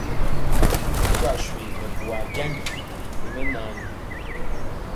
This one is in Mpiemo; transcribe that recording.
Ntugaswe nɛ ɓeyaa janji ri mɛnaani.